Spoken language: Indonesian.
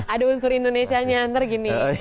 ada unsur indonesia yang nanti begini